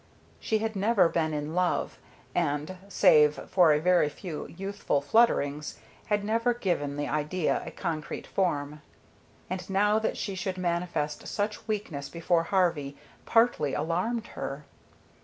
She had never been in love, and save for a very few youthful flutterings had never given the idea a concrete form; and now that she should manifest such weakness before Harvey partly alarmed her.